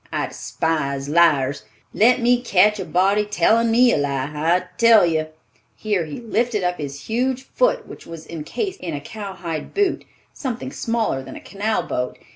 I despise liars. Let me catch a body telling me a lie, I tell you—" Here he lifted up his huge foot which was encased in a cowhide boot, something smaller than a canal boat.